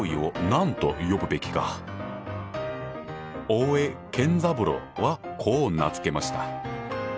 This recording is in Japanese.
大江健三郎はこう名付けました。